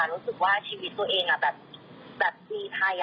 รู้สึกว่าชีวิตตัวเองแบบดีไทย